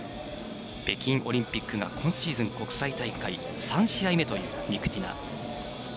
北京オリンピックが今シーズンの国際大会３試合目というミクティナ。